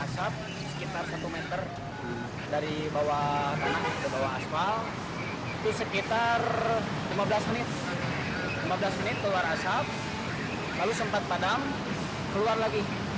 semakin banyak sekitar lima belas menit lagi